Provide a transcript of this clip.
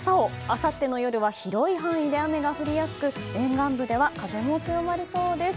あさっての夜は広い範囲で雨が降りやすく沿岸部では風も強まりそうです。